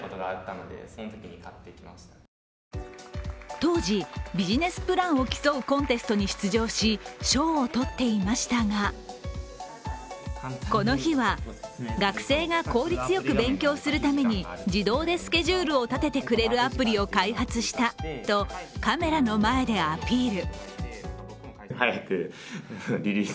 当時、ビジネスプランを競うコンテストに出場し、賞をとっていましたが、この日は学生が効率よく勉強するために自動でスケジュールを立ててくれるアプリを開発したとカメラの前でアピール。